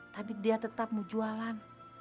tapi dia tetap mau jualan